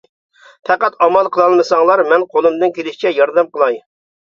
پەقەت ئامال قىلالمىساڭلار مەن قولۇمدىن كېلىشىچە ياردەم قىلاي.